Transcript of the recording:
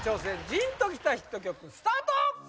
ジーンときたヒット曲スタート！